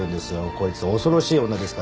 こいつ恐ろしい女ですからね